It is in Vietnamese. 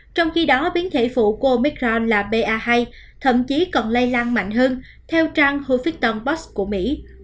trong khi đó biến thể phụ của omicron là pa hai thậm chí còn lây lan mạnh hơn theo trang huffington post của mỹ